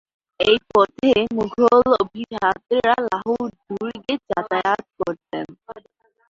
এই পথে মুঘল অভিজাতরা লাহোর দুর্গে যাতায়াত করতেন।